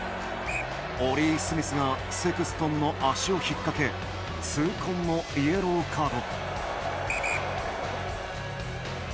オリー・スミスがセクストンの足を引っ掛け痛恨のイエローカード。